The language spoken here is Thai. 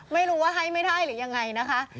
ไม่รู้ว่าให้ไม่ได้หรือยังไงนะคะ